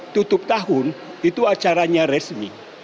tutup tahun itu acaranya resmi